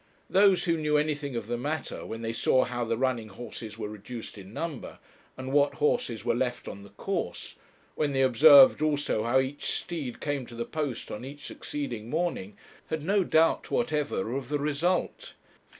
Those who knew anything of the matter, when they saw how the running horses were reduced in number, and what horses were left on the course when they observed also how each steed came to the post on each succeeding morning, had no doubt whatever of the result.